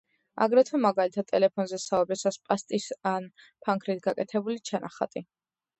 აგრეთვე, მაგალითად, ტელეფონზე საუბრისას პასტით ან ფანქრით გაკეთებული ჩანახატი.